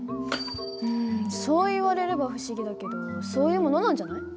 うんそう言われれば不思議だけどそういうものなんじゃない？